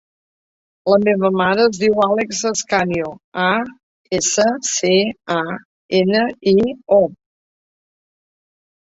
La meva mare es diu Àlex Ascanio: a, essa, ce, a, ena, i, o.